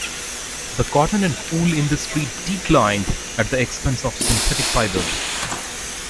The cotton and wool industry declined at the expense of synthetic fibers.